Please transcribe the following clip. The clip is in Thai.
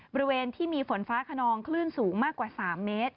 บริเวณที่มีฝนฟ้าขนองคลื่นสูงมากกว่า๓เมตร